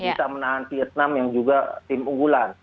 bisa menahan vietnam yang juga tim unggulan